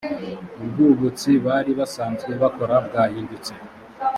ubwubutsi bari basanzwe bakora bwahindutse